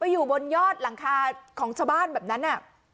อยู่บนยอดหลังคาของชาวบ้านแบบนั้น